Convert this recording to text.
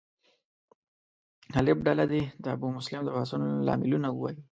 الف ډله دې د ابومسلم د پاڅون لاملونه ووایي.